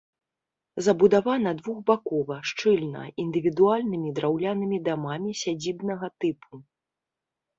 Забудавана двухбакова, шчыльна, індывідуальнымі драўлянымі дамамі сядзібнага тыпу.